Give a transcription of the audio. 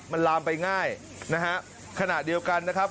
มันลามไปง่ายนะฮะขณะเดียวกันนะครับ